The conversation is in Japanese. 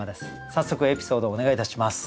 早速エピソードお願いいたします。